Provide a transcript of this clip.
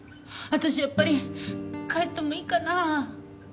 私やっぱり帰ってもいいかな？